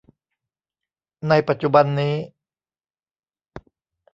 ในปัจจุบันนี้